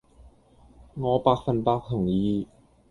我百份百同意